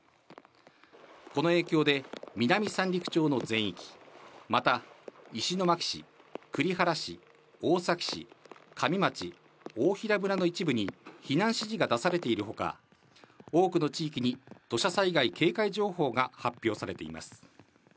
この影響で、南三陸町の全域、また石巻市、栗原市、大崎市、加美町、大衡村の一部に避難指示が出されているほか、多くの地域に土砂災害警戒情報が発表されています。